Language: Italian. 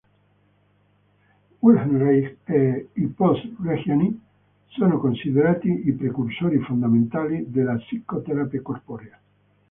Wilhelm Reich e i post-Reichiani sono considerati i precursori fondamentali della psicoterapia corporea.